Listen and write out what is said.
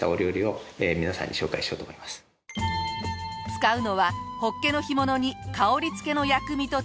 使うのはホッケの干物に香り付けの薬味と調味料だけ。